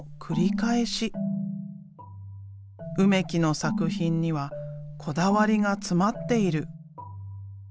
梅木の作品にはこだわりが詰まっている。